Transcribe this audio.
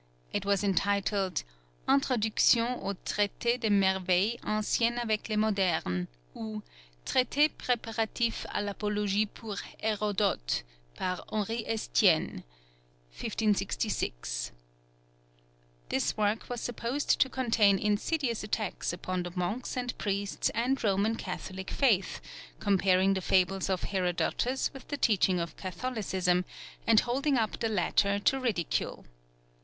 It was entitled _Introduction au Traité des Merveilles anciennes avec les modernes, ou Traité préparatif à l'Apologie pour Hérodote, par Henri Estienne_ (1566, in 8). This work was supposed to contain insidious attacks upon the monks and priests and Roman Catholic faith, comparing the fables of Herodotus with the teaching of Catholicism, and holding up the latter to ridicule.